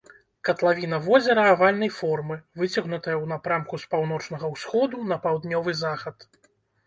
Катлавіна возера авальнай формы, выцягнутая ў напрамку з паўночнага ўсходу на паўднёвы захад.